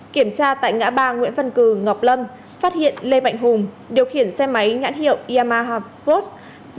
kiểm tra tại ngã ba nguyễn văn cử ngọc lâm phát hiện lê mạnh hùng điều khiển xe máy nhãn hiệu iamaha post